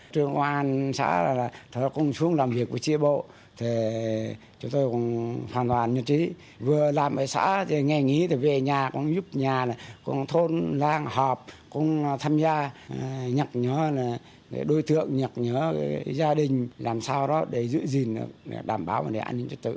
trường an xã là thờ công xuống làm việc với chứa bộ thì chúng tôi cũng hoàn toàn nhận trí vừa làm ở xã nghe nghĩ về nhà cũng giúp nhà cũng thôn làng họp cũng tham gia nhật nhớ đối tượng nhật nhớ gia đình làm sao đó để giữ gìn đảm bảo vấn đề an ninh trật tự